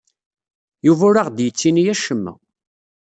Yuba ur aɣ-d-yettini acemma.